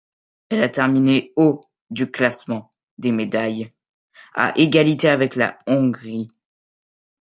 Elle a terminé au du classement des médailles, à égalité avec la Hongrie.